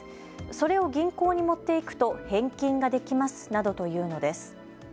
それを銀行に持っていくと返金ができますなどと言うのです。